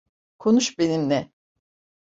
Konuş benimle.